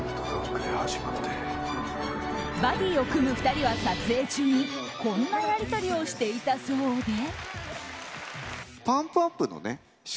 バディーを組む２人は、撮影中にこんなやり取りをしていたそうで。